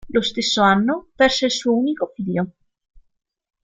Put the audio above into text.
Lo stesso anno perse il suo unico figlio.